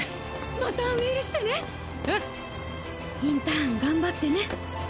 インターン頑張ってね。